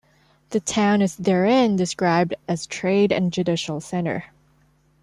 The town is therein described as a trade and judicial center.